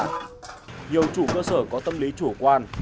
nhiều chủ cơ sở có tâm lý chủ quan